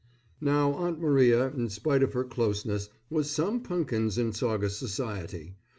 Now Aunt Maria in spite of her closeness, was some punkins in Saugus society.